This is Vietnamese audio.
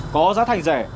có giá thành rẻ